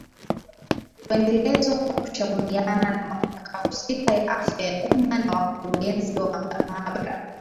Kuendelezwa kwa kushauriana na mamlaka husika ya afya ya umma na wakurugenzi wa maabara